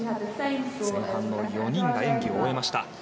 前半の４人が演技を終えました。